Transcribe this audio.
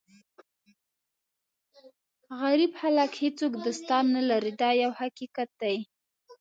غریب خلک هېڅ دوستان نه لري دا یو حقیقت دی.